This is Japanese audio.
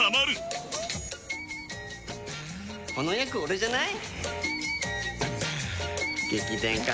この役オレじゃない？